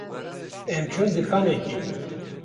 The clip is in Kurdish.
Em çûn dikanekê.